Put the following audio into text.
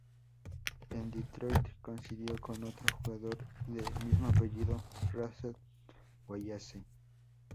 En Detroit coincidió con otro jugador de mismo apellido, Rasheed Wallace.